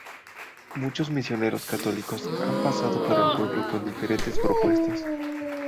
Muchos misioneros católicos han pasado por el pueblo con diferentes propuestas.